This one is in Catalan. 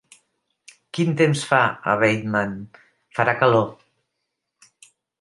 Quin temps fa a Weidman, farà calor